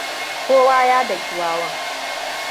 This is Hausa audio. Kowa ya daki wawan.